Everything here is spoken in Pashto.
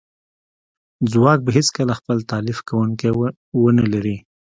ځواک به هیڅکله خپل تالیف کونکی ونه لري